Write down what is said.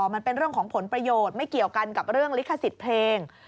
มันเป็นเรื่องของผลประโยชน์ไม่เกี่ยวกันกับเรื่องลิขสิทธิ์เพลง